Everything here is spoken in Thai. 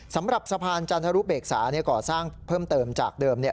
สำหรับสะพานจันทรุเบกษาก่อสร้างเพิ่มเติมจากเดิมเนี่ย